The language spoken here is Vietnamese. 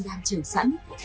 đang trở sẵn